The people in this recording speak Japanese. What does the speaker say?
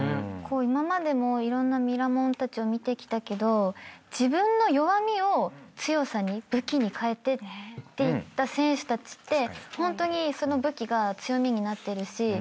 今までもいろんなミラモンたちを見てきたけど自分の弱みを強さに武器に変えていった選手たちってホントにその武器が強みになってるし